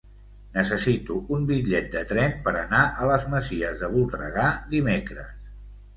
Necessito un bitllet de tren per anar a les Masies de Voltregà dimecres.